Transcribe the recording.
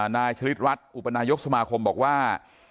นายชลิดรัฐอุปนายกสมาคมบอกว่า